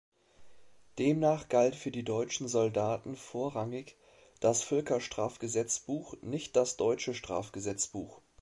Demnach galt für die deutschen Soldaten vorrangig das Völkerstrafgesetzbuch, nicht das deutsche Strafgesetzbuch.